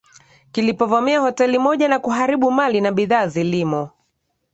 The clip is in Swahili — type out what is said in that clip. kilipovamia hoteli moja na kuharibu mali na bidhaa zilimo